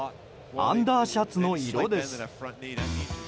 アンダーシャツの色です。